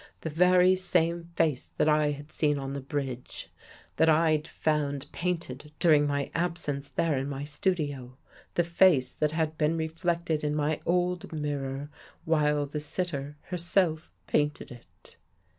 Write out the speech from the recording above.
The very same face that I had seen on the bridge, that I'd found 47 THE GHOST GIRL painted during my absence there in my studio — the face that had been reflected in my old mirror while the sitter herself painted it.